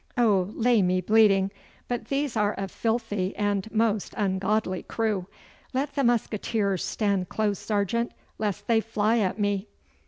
Oh, lay me bleeding, but these are a filthy and most ungodly crew! Let the musqueteers stand close, sergeant, lest they fly at me.